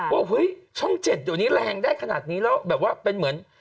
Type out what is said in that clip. ว่าเฮ้ยช่อง๗เดี๋ยวนี้แรงได้ขนาดนี้แล้วแบบว่าเป็นเหมือน